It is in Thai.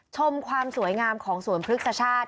ชมความสวยงามของสวนพฤกษชาติ